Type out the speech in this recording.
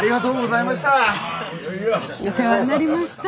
お世話になりました。